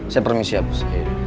saya permisi ya bos